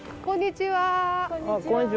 こんにちは。